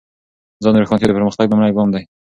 ځان روښانتیا د پرمختګ لومړی ګام دی.